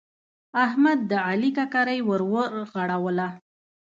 احمد د علي ککرۍ ور ورغړوله.